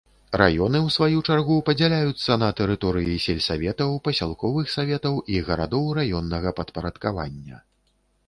Раёны ў сваю чаргу падзяляюцца на тэрыторыі сельсаветаў, пасялковых саветаў і гарадоў раённага падпарадкавання.